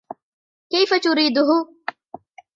كيف تريده ؟